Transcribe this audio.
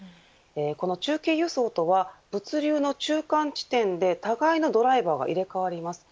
この中継輸送とは物流の中間地点で互いのドライバーが入れ替わります。